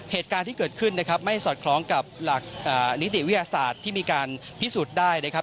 เหตุการณ์ที่เกิดขึ้นนะครับไม่สอดคล้องกับหลักนิติวิทยาศาสตร์ที่มีการพิสูจน์ได้นะครับ